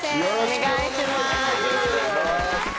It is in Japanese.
お願いします